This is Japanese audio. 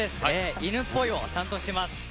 犬っぽいを担当しています。